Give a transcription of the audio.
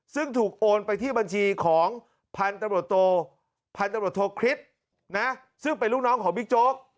ซึ่งถูกโอนไปที่บัญชีของพันธพันตำรวจโทคริสต์นะซึ่งเป็นลูกน้องของบิ๊กโจ๊ก